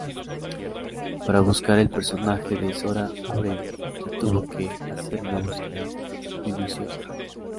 Para buscar al personaje de Zora Abrego, se tuvo que hacer una búsqueda minuciosa.